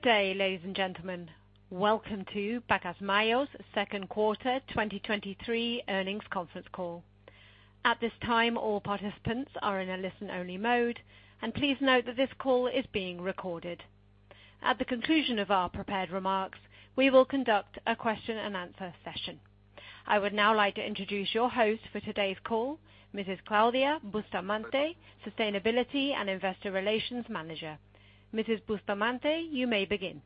Good day, ladies and gentlemen. Welcome to Pacasmayo's second quarter 2023 earnings conference call. At this time, all participants are in a listen-only mode. Please note that this call is being recorded. At the conclusion of our prepared remarks, we will conduct a question-and-answer session. I would now like to introduce your host for today's call, Mrs. Claudia Bustamante, Sustainability and Investor Relations Manager. Mrs. Bustamante, you may begin.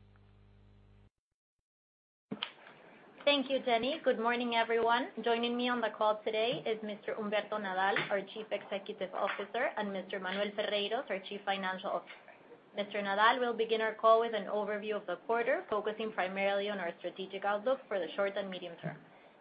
Thank you, Jenny. Good morning, everyone. Joining me on the call today is Mr. Humberto Nadal, our Chief Executive Officer, and Mr. Manuel Ferreyros, our Chief Financial Officer. Mr. Nadal will begin our call with an overview of the quarter, focusing primarily on our strategic outlook for the short and medium term.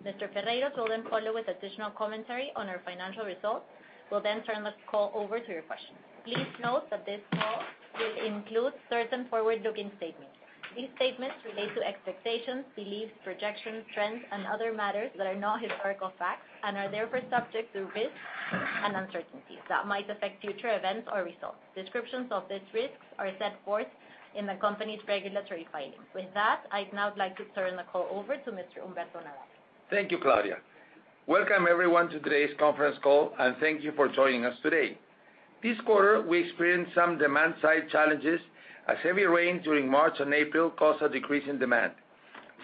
Mr. Ferreyros will follow with additional commentary on our financial results. We'll turn this call over to your questions. Please note that this call will include certain forward-looking statements. These statements relate to expectations, beliefs, projections, trends, and other matters that are not historical facts and are therefore subject to risks and uncertainties that might affect future events or results. Descriptions of these risks are set forth in the company's regulatory filings. With that, I'd now like to turn the call over to Mr. Humberto Nadal. Thank you, Claudia. Welcome everyone to today's conference call. Thank you for joining us today. This quarter, we experienced some demand-side challenges as heavy rain during March and April caused a decrease in demand.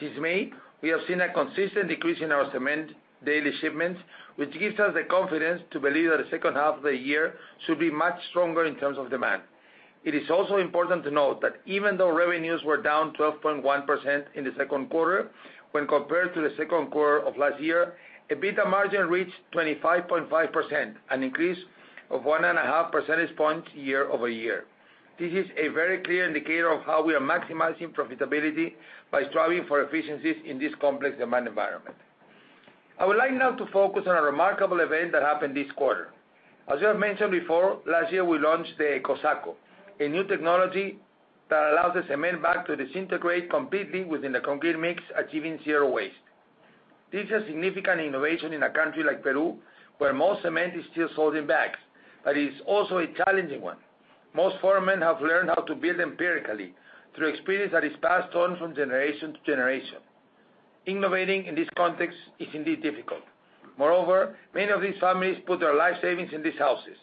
Since May, we have seen a consistent decrease in our cement daily shipments, which gives us the confidence to believe that the second half of the year should be much stronger in terms of demand. It is also important to note that even though revenues were down 12.1% in the second quarter when compared to the second quarter of last year, EBITDA margin reached 25.5%, an increase of 1.5 percentage points year-over-year. This is a very clear indicator of how we are maximizing profitability by striving for efficiencies in this complex demand environment. I would like now to focus on a remarkable event that happened this quarter. As we have mentioned before, last year, we launched the EcoSaco, a new technology that allows the cement bag to disintegrate completely within the concrete mix, achieving zero waste. This is a significant innovation in a country like Peru, where most cement is still sold in bags, but it is also a challenging one. Most foremen have learned how to build empirically through experience that is passed on from generation to generation. Innovating in this context is indeed difficult. Moreover, many of these families put their life savings in these houses.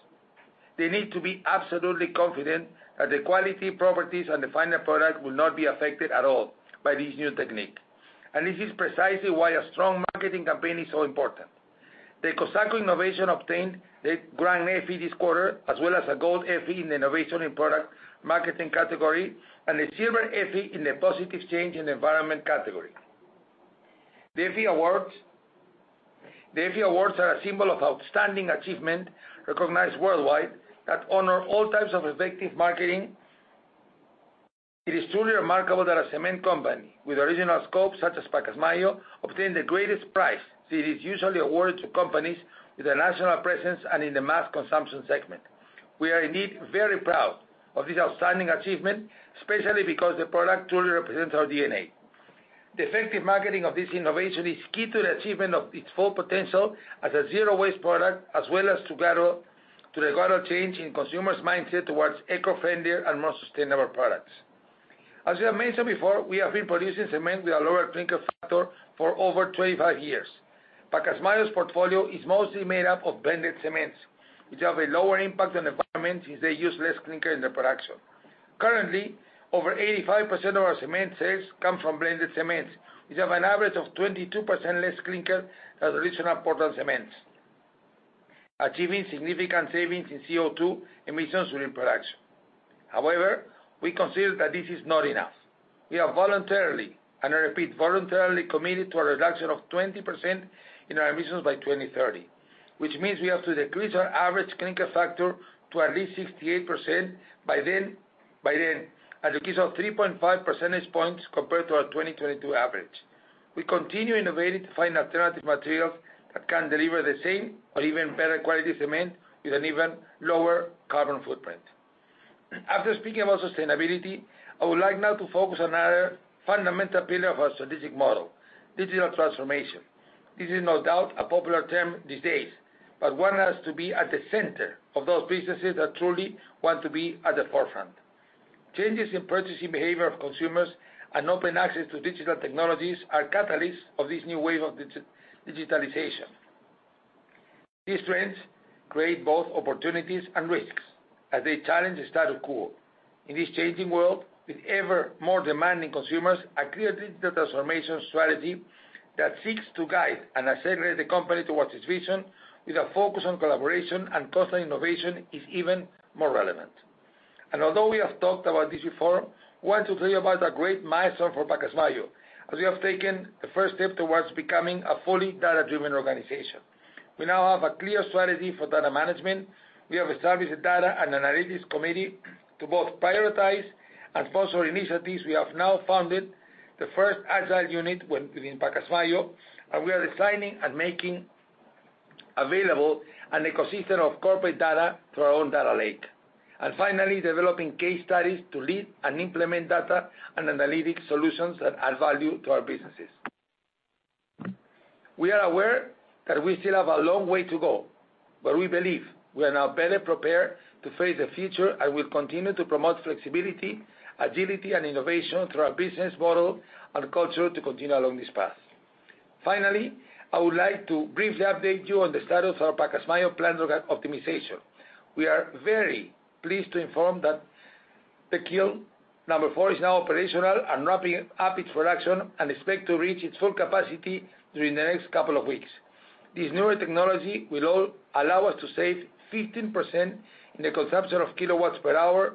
They need to be absolutely confident that the quality, properties, and the final product will not be affected at all by this new technique. This is precisely why a strong marketing campaign is so important. The EcoSaco innovation obtained the Gran Effie this quarter, as well as a Gold Effie in the Innovation in Product Marketing category, and a Silver Effie in the Positive Change in Environment category. The Effie Awards are a symbol of outstanding achievement, recognized worldwide, that honor all types of effective marketing. It is truly remarkable that a cement company with original scope, such as Pacasmayo, obtained the greatest prize that is usually awarded to companies with a national presence and in the mass consumption segment. We are indeed very proud of this outstanding achievement, especially because the product truly represents our DNA. The effective marketing of this innovation is key to the achievement of its full potential as a zero-waste product, as well as to the gradual change in consumers' mindset towards eco-friendlier and more sustainable products. As we have mentioned before, we have been producing cement with a lower clinker factor for over 25 years. Pacasmayo's portfolio is mostly made up of blended cements, which have a lower impact on the environment since they use less clinker in their production. Currently, over 85% of our cement sales come from blended cements, which have an average of 22% less clinker than traditional Portland cements, achieving significant savings in CO2 emissions during production. We consider that this is not enough. We have voluntarily, and I repeat, voluntarily committed to a reduction of 20% in our emissions by 2030, which means we have to decrease our average clinker factor to at least 68% by then, a decrease of 3.5 percentage points compared to our 2022 average. We continue innovating to find alternative materials that can deliver the same or even better quality cement with an even lower carbon footprint. After speaking about sustainability, I would like now to focus on another fundamental pillar of our strategic model, digital transformation. This is no doubt a popular term these days, but one has to be at the center of those businesses that truly want to be at the forefront. Changes in purchasing behavior of consumers and open access to digital technologies are catalysts of this new wave of digitalization. These trends create both opportunities and risks as they challenge the status quo. In this changing world, with ever more demanding consumers, a clear digital transformation strategy that seeks to guide and accelerate the company towards its vision, with a focus on collaboration and constant innovation, is even more relevant. Although we have talked about this before, I want to tell you about a great milestone for Pacasmayo, as we have taken the first step towards becoming a fully data-driven organization. We now have a clear strategy for data management. We have established a data and analytics committee to both prioritize and foster initiatives. We have now founded the first agile unit within Pacasmayo, and we are designing and making available an ecosystem of corporate data through our own data lake. Finally, developing case studies to lead and implement data and analytic solutions that add value to our businesses. We are aware that we still have a long way to go. We believe we are now better prepared to face the future. We'll continue to promote flexibility, agility, and innovation through our business model and culture to continue along this path. Finally, I would like to briefly update you on the status of our Pacasmayo plant optimization. We are very pleased to inform that the Kiln 4 is now operational and ramping up its production, and expect to reach its full capacity during the next couple of weeks. This newer technology will allow us to save 15% in the consumption of kWh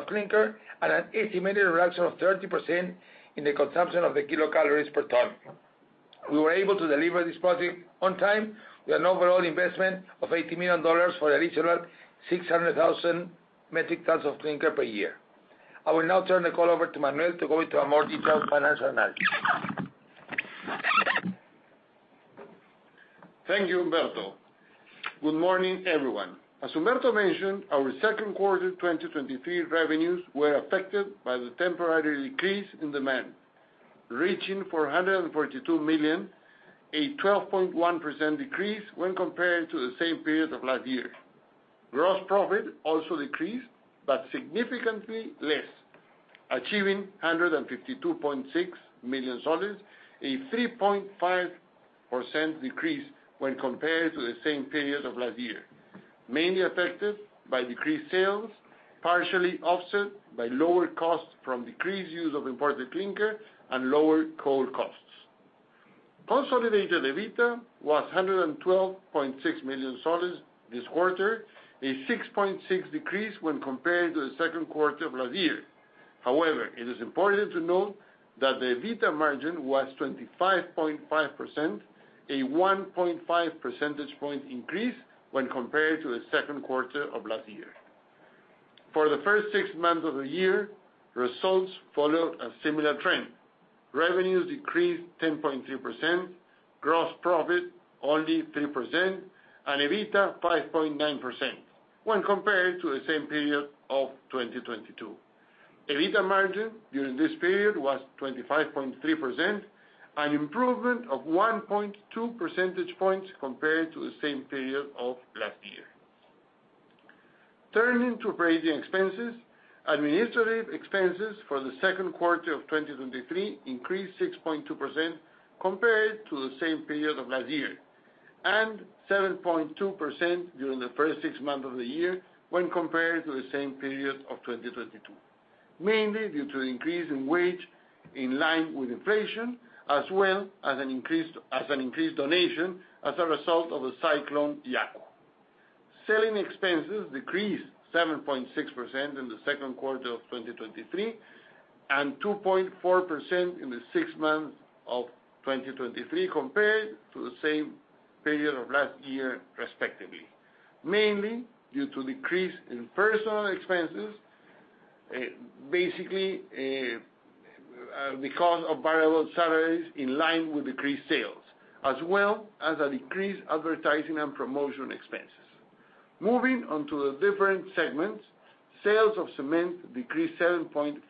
of clinker, and an estimated reduction of 30% in the consumption of the kilocalories per ton. We were able to deliver this project on time, with an overall investment of $80 million for additional 600,000 metric tons of clinker per year. I will now turn the call over to Manuel to go into a more detailed financial analysis. Thank you, Humberto. Good morning, everyone. As Humberto mentioned, our second quarter 2023 revenues were affected by the temporary decrease in demand, reaching PEN 442 million, a 12.1% decrease when compared to the same period of last year. Gross profit also decreased, significantly less, achieving PEN 152.6 million, a 3.5% decrease when compared to the same period of last year, mainly affected by decreased sales, partially offset by lower costs from decreased use of imported clinker and lower coal costs. Consolidated EBITDA was PEN 112.6 million this quarter, a 6.6% decrease when compared to the second quarter of last year. However, it is important to note that the EBITDA margin was 25.5%, a 1.5 percentage point increase when compared to the second quarter of last year. For the first six months of the year, results followed a similar trend. Revenues decreased 10.3%, gross profit only 3%, and EBITDA 5.9% when compared to the same period of 2022. EBITDA margin during this period was 25.3%, an improvement of 1.2 percentage points compared to the same period of last year. Turning to operating expenses. Administrative expenses for the second quarter of 2023 increased 6.2% compared to the same period of last year, and 7.2% during the first six months of the year when compared to the same period of 2022. Mainly due to an increase in wage in line with inflation, as well as an increased donation as a result of the Cyclone Yaku. Selling expenses decreased 7.6% in the second quarter of 2023, and 2.4% in the six months of 2023 compared to the same period of last year, respectively. Mainly due to decrease in personal expenses, basically, because of variable salaries in line with decreased sales, as well as a decreased advertising and promotion expenses. Moving on to the different segments. Sales of cement decreased 7.4%.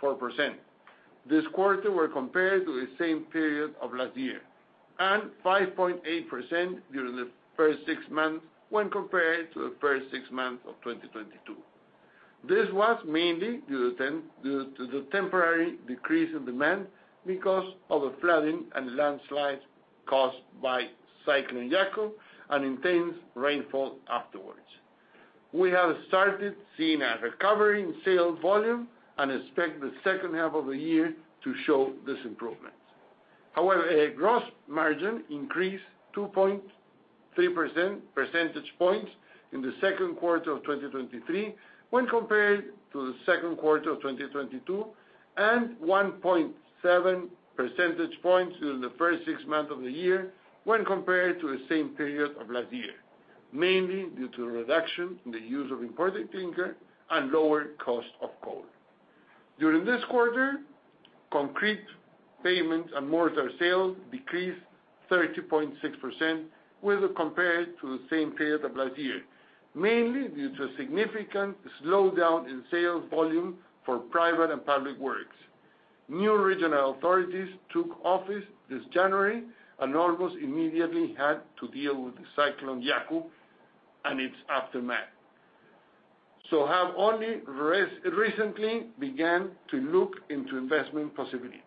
This quarter were compared to the same period of last year, and 5.8% during the first six months when compared to the first six months of 2022. This was mainly due to the temporary decrease in demand because of the flooding and landslides caused by Cyclone Yaku and intense rainfall afterwards. We have started seeing a recovery in sales volume and expect the second half of the year to show this improvement. A gross margin increased 2.3 percentage points in the second quarter of 2023, when compared to the second quarter of 2022, and 1.7 percentage points during the first six months of the year when compared to the same period of last year. Mainly due to a reduction in the use of imported clinker and lower cost of coal. During this quarter, concrete, pavement, and mortar sales decreased 30.6% when compared to the same period of last year, mainly due to a significant slowdown in sales volume for private and public works. New regional authorities took office this January, and almost immediately had to deal with the Cyclone Yaku and its aftermath, so have only recently began to look into investment possibilities.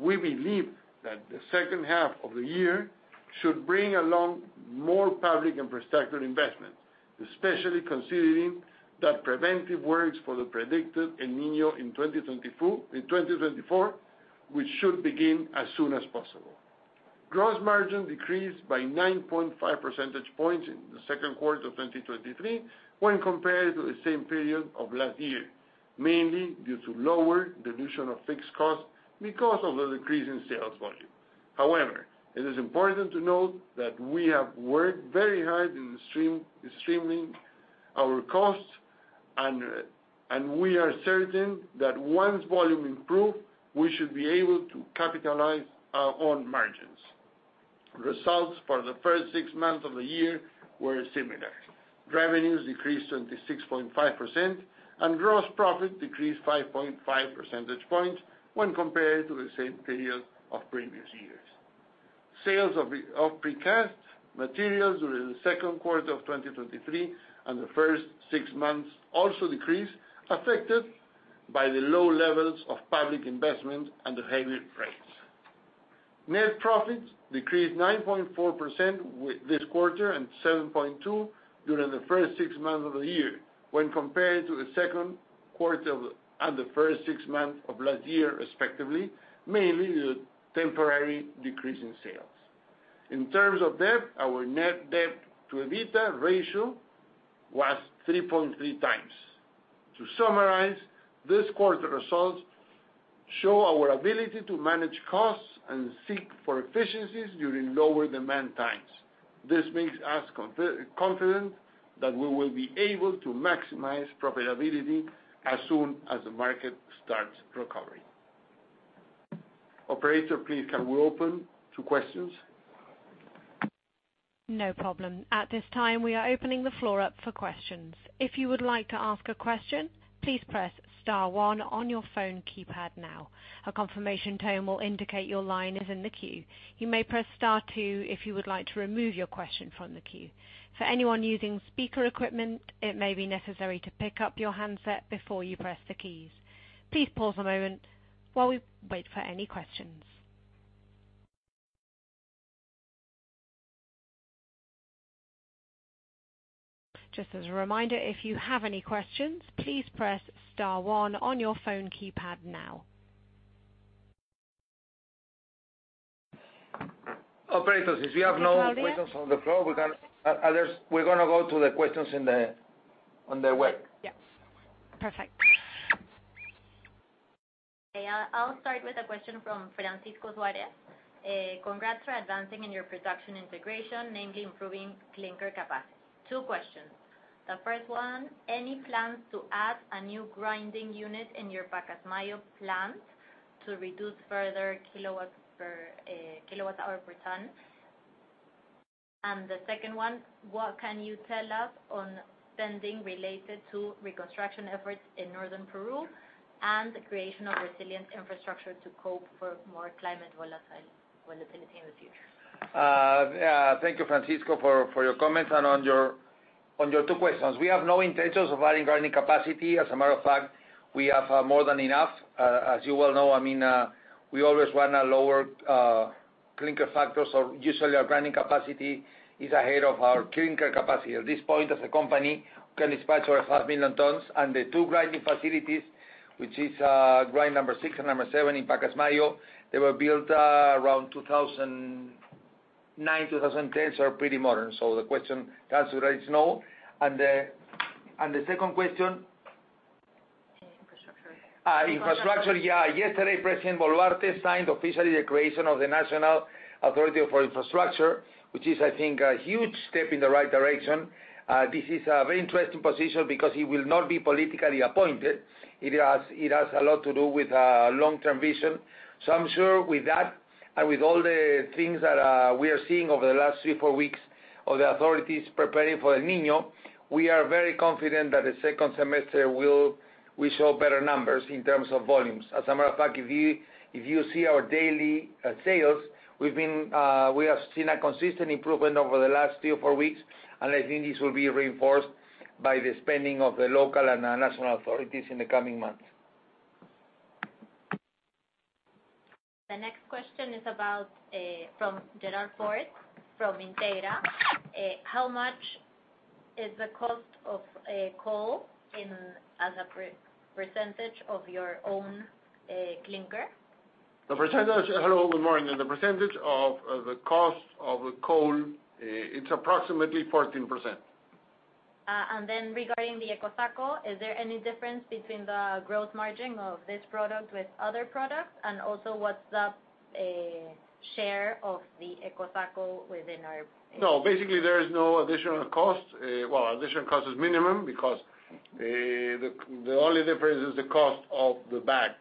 We believe that the second half of the year should bring along more public infrastructure investment, especially considering that preventive works for the predicted El Niño in 2024, which should begin as soon as possible. Gross margin decreased by 9.5 percentage points in the second quarter of 2023 when compared to the same period of last year, mainly due to lower dilution of fixed costs because of the decrease in sales volume. However, it is important to note that we have worked very hard in streaming our costs, and we are certain that once volume improve, we should be able to capitalize our own margins. Results for the first six months of the year were similar. Revenues decreased 26.5%, and gross profit decreased 5.5 percentage points when compared to the same period of previous years. Sales of precast materials during the second quarter of 2023 and the first six months also decreased, affected by the low levels of public investment and the heavy rains. Net profits decreased 9.4% with this quarter and 7.2% during the first six months of the year when compared to the second quarter and the first six months of last year, respectively, mainly due to temporary decrease in sales. In terms of debt, our net debt to EBITDA ratio was 3.3x. To summarize, this quarter results show our ability to manage costs and seek for efficiencies during lower demand times. This makes us confident that we will be able to maximize profitability as soon as the market starts recovering. Operator, please, can we open to questions? No problem. At this time, we are opening the floor up for questions. If you would like to ask a question, please press star one on your phone keypad now. A confirmation tone will indicate your line is in the queue. You may press star two if you would like to remove your question from the queue. For anyone using speaker equipment, it may be necessary to pick up your handset before you press the keys. Please pause a moment while we wait for any questions. Just as a reminder, if you have any questions, please press star one on your phone keypad now. Operator, if you have no questions on the floor, we can, we're gonna go to the questions on the web. Yes. Perfect. Hey, I'll start with a question from Francisco Suarez. Congrats for advancing in your production integration, namely improving clinker capacity. Two questions. The first one, any plans to add a new grinding unit in your Pacasmayo plant to reduce further kilowatt hour per ton? The second one, what can you tell us on spending related to reconstruction efforts in northern Peru, and the creation of resilient infrastructure to cope for more climate volatility in the future? Yeah, thank you, Francisco, for your comments and on your two questions. We have no intentions of adding grinding capacity. As a matter of fact, we have more than enough. I mean, we always run a lower clinker factor, so usually our grinding capacity is ahead of our clinker capacity. At this point, as a company, we can dispatch over 5 million tons, and the two grinding facilities, which is grind number six and number seven in Pacasmayo, they were built around 2009, 2010, so are pretty modern. The answer is no. The second question? Infrastructure. Infrastructure, yeah. Yesterday, President Boluarte signed officially the creation of the National Authority for Infrastructure, which is, I think, a huge step in the right direction. This is a very interesting position because he will not be politically appointed. It has a lot to do with long-term vision. I'm sure with that, and with all the things that we are seeing over the last three, four weeks of the authorities preparing for El Niño, we are very confident that the second semester will show better numbers in terms of volumes. As a matter of fact, if you see our daily sales, we've been, we have seen a consistent improvement over the last three or four weeks, and I think this will be reinforced by the spending of the local and national authorities in the coming months. The next question is about from Gerard Fort, from AFP Integra. How much is the cost of coal as a percentage of your own clinker? Hello, good morning. The percentage of the cost of the coal, it's approximately 14%. Regarding the EcoSaco, is there any difference between the growth margin of this product with other products? What's the share of the EcoSaco within our. No, basically, there is no additional cost. Well, additional cost is minimum because the only difference is the cost of the bag.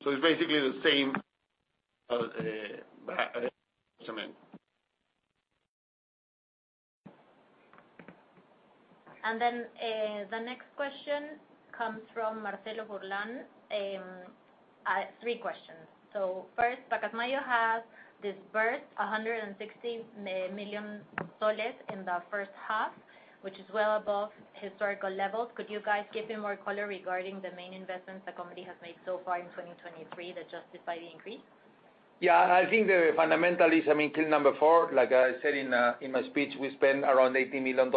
It's basically the same as cement. The next question comes from Marcelo Burland. Three questions. First, Pacasmayo has disbursed PEN 160 million in the first half, which is well above historical levels. Could you guys give me more color regarding the main investments the company has made so far in 2023 that justify the increase? Yeah, I think the fundamental is, I mean, Kiln 4, like I said in my speech, we spent around $80 million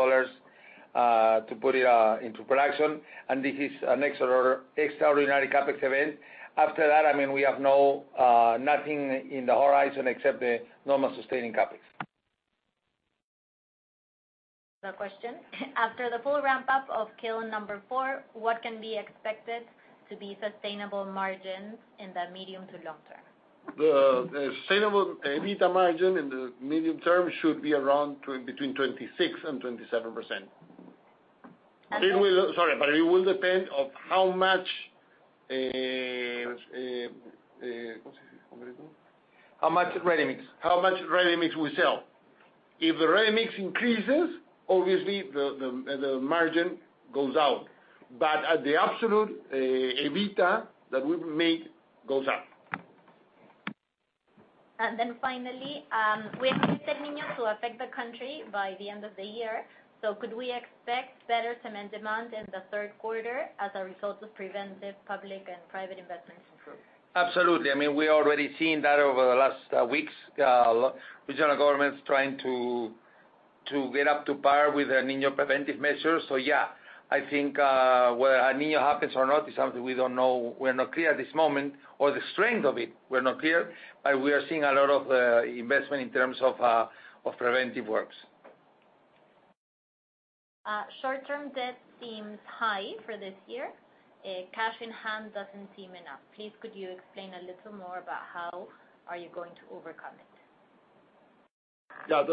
to put it into production. This is an extraordinary CapEx event. After that, I mean, we have no nothing in the horizon except the normal sustaining CapEx. The question: After the full ramp-up of Kiln 4, what can be expected to be sustainable margins in the medium to long term? The sustainable EBITDA margin in the medium term should be around between 26% and 27%. And then. Sorry, but it will depend on how much ready-mix we sell. If the ready-mix increases, obviously, the margin goes out, but at the absolute EBITDA that we will make goes up. Finally, we expect El Niño to affect the country by the end of the year, could we expect better cement demand in the third quarter as a result of preventive public and private investments? Absolutely. I mean, we already seen that over the last weeks. Regional government's trying to get up to par with El Niño preventive measures. Yeah, I think whether El Niño happens or not, is something we don't know. We're not clear at this moment, or the strength of it, we're not clear, but we are seeing a lot of investment in terms of preventive works. Short-term debt seems high for this year. Cash in hand doesn't seem enough. Please, could you explain a little more about how are you going to overcome it? Yeah,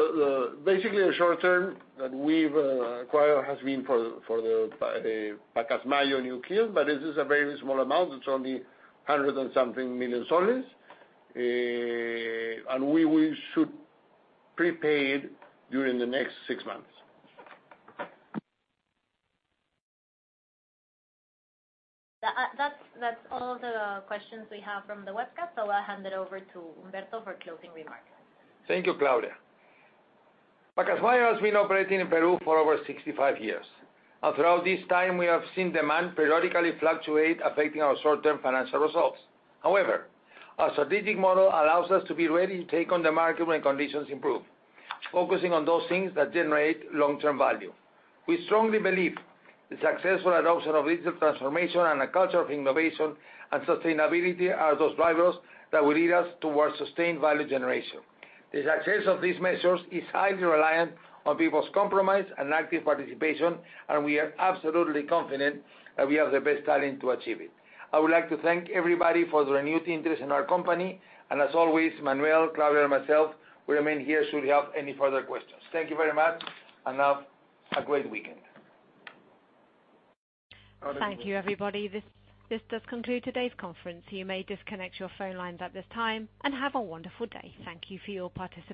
basically, the short term that we've acquired has been for the Pacasmayo new Kiln, but this is a very small amount. It's only PEN 100 and something million. We should pre-pay it during the next six months. That's all the questions we have from the webcast, so I'll hand it over to Humberto for closing remarks. Thank you, Claudia. Pacasmayo has been operating in Peru for over 65 years. Throughout this time, we have seen demand periodically fluctuate, affecting our short-term financial results. Our strategic model allows us to be ready to take on the market when conditions improve, focusing on those things that generate long-term value. We strongly believe the successful adoption of digital transformation and a culture of innovation and sustainability are those drivers that will lead us towards sustained value generation. The success of these measures is highly reliant on people's compromise and active participation. We are absolutely confident that we have the best talent to achieve it. I would like to thank everybody for their renewed interest in our company. As always, Manuel, Claudia, and myself, we remain here should you have any further questions. Thank you very much. Have a great weekend. Thank you, everybody. This does conclude today's conference. You may disconnect your phone lines at this time. Have a wonderful day. Thank you for your participation.